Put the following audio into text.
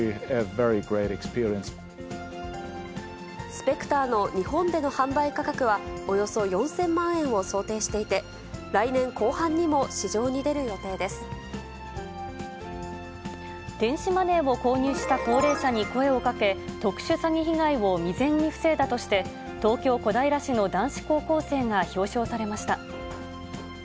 スペクターの日本での販売価格はおよそ４０００万円を想定していて、電子マネーを購入した高齢者に声をかけ、特殊詐欺被害を未然に防いだとして、東京・小平市の男子高校生が表彰されました。